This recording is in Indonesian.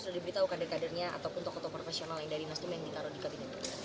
ada kadernya ataupun tokoh tokoh profesional yang dari nasdem yang ditaruh di kabinet